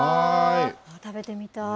食べてみたい。